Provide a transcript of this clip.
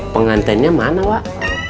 pengantinnya mana wak